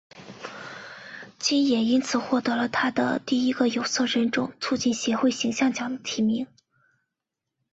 金也因此获得了她的第一个有色人种促进协会形象奖的提名。